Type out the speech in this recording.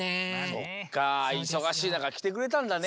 そっかいそがしいなかきてくれたんだね。